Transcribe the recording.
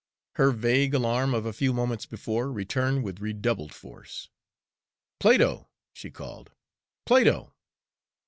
Her vague alarm of a few moments before returned with redoubled force. "Plato!" she called; "Plato!"